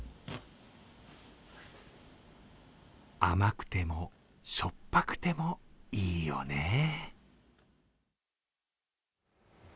甘くてもしょっぱくてもいいよね。